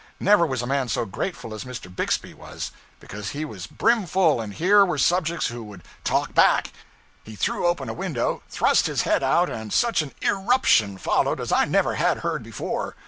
Never was a man so grateful as Mr. Bixby was: because he was brim full, and here were subjects who would talk back. He threw open a window, thrust his head out, and such an irruption followed as I never had heard before.